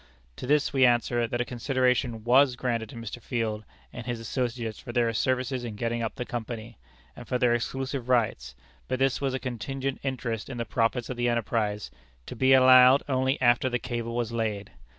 To this we answer, that a consideration was granted to Mr. Field and his associates for their services in getting up the Company, and for their exclusive rights, but this was a contingent interest in the profits of the enterprise, to be allowed only after the cable was laid.